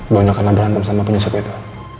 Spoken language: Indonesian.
banyak karena berantem sama penyusuk itu